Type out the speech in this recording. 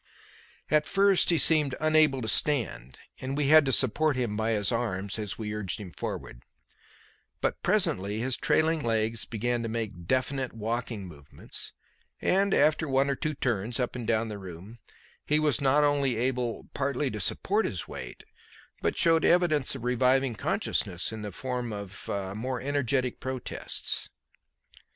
At first he seemed unable to stand, and we had to support him by his arms as we urged him forward; but presently his trailing legs began to make definite walking movements, and, after one or two turns up and down the room, he was not only able partly to support his weight, but showed evidence of reviving consciousness in more energetic protests.